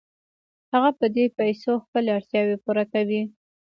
هغه په دې پیسو خپلې اړتیاوې پوره کوي